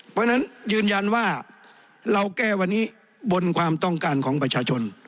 เพราะฉะนั้นยืนยันว่าเราแก้วันนี้บนความต้องการของประชาชน